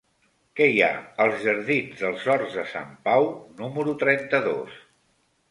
Què hi ha als jardins dels Horts de Sant Pau número trenta-dos?